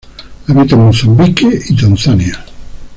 Habita en Mozambique y Tanzania.